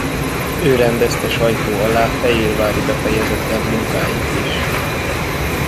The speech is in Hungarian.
Ő rendezte sajtó alá Fejérváry befejezetlen munkáit is.